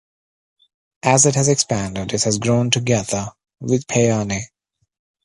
As it has expanded, it has grown together with Payerne.